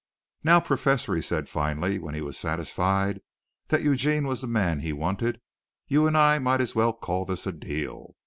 "Now, professor," he said finally when he was satisfied that Eugene was the man he wanted, "you and I might as well call this a deal.